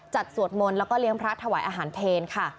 สวดมนต์แล้วก็เลี้ยงพระถวายอาหารเพลค่ะ